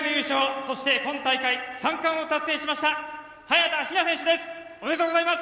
そして、今大会三冠を達成しました早田ひな選手です。